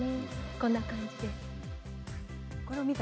こんな感じです。